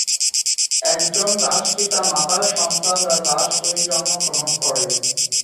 একজন দাস পিতা মাতার সন্তানরা দাস হয়েই জন্ম গ্রহণ করে।